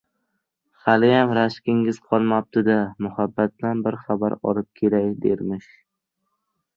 «Haliyam rashkingiz qolmabdi-da, Muhabbatdan bir xabar olib kelay», dermish.